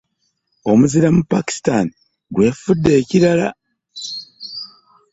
Omuzira mu Pakistan gwefudde ekirala.